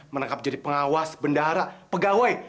menangkap jadi pengawas bendahara pegawai